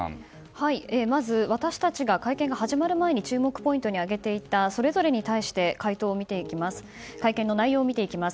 まず私たちが会見が始まる前に注目ポイントに挙げていたそれぞれに対しての会見の内容を見ていきます。